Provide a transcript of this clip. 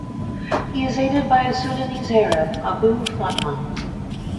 He is aided by a Sudanese Arab, Abou Fatma.